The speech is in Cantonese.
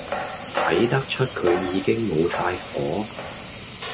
睇得出佢已經無晒火